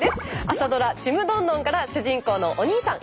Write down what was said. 朝ドラ「ちむどんどん」から主人公のお兄さん